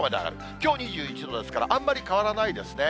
きょう２１度ですから、あんまり変わらないですね。